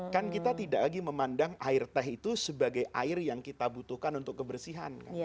kan kita tidak lagi memandang air teh itu sebagai air yang kita butuhkan untuk kebersihan